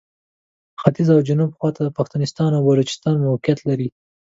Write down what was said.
ختیځ او جنوب خواته پښتونستان او بلوچستان موقعیت لري.